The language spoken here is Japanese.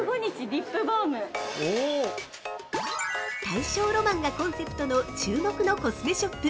◆大正ロマンがコンセプトの注目のコスメショップ